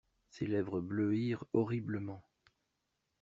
Ses lèvres bleuirent horriblement.